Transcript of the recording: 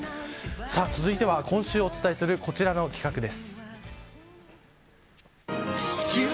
続いては今週お伝えするこちらの企画です。